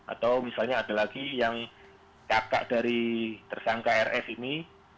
atau misalnya ada lagi yang kakak dari tersangka rs ini